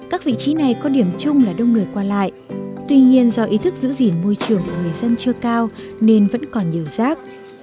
các vị trí này có điểm chung là đông người qua lại tuy nhiên do ý thức giữ gìn môi trường của người dân chưa cao nên vẫn còn nhiều rác